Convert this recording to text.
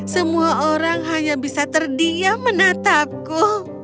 semua orang hanya bisa terdiam menatapku